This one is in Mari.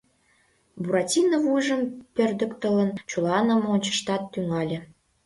Буратино вуйжым пӧрдыктылын, чуланым ончышташ тӱҥале.